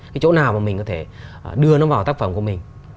cái chỗ nào mà mình có thể đưa nó vào tác phẩm của mình